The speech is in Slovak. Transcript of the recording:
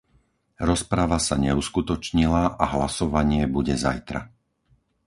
Rozprava sa neuskutočnila a hlasovanie bude zajtra.